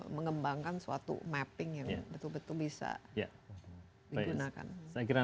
mengembangkan suatu mapping yang betul betul bisa digunakan